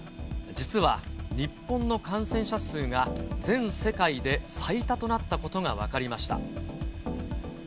実は、日本の感染者数が全世界で最多となったことが分かりました。